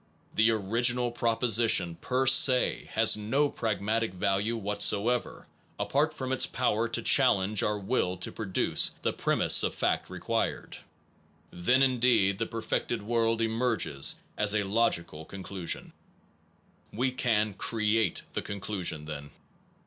The origi nal proposition per se has no pragmatic value whatso ever, apart from its power to challenge our will to produce the premise of fact required. Then indeed the perfected world emerges as a logical conclusion, We can create the conclusion, then.